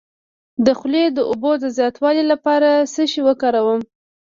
د خولې د اوبو د زیاتوالي لپاره څه شی وکاروم؟